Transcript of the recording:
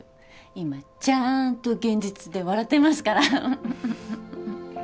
今ちゃんと現実で笑ってますから。